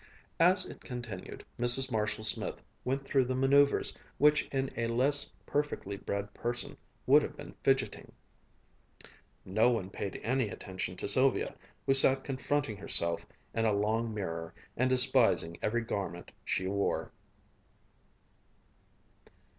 As it continued, Mrs. Marshall Smith went through the manoeuvers which in a less perfectly bred person would have been fidgeting.... No one paid any attention to Sylvia, who sat confronting herself in a long mirror and despising every garment she wore.